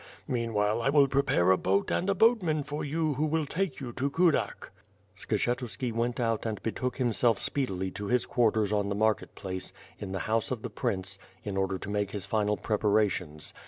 Mean while, I will prepare a boat and a boatman for you who will take you to Kudak." Skshetuski went out and betook himself speedily to his quarters on the market place, in the house of the prince, in order to make his final prepartions.